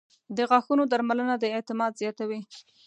• د غاښونو درملنه د اعتماد زیاتوي.